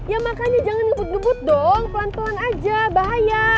ya makanya jangan ngebut ngebut dong pelan pelan aja bahaya